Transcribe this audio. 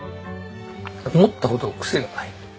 思ったほどクセがない。